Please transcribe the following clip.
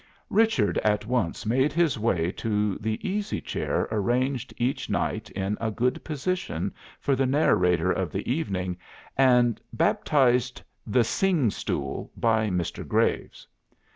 Richard at once made his way to the easy chair arranged each night in a good position for the narrator of the evening, and baptised "The Singstool" by Mr. Graves.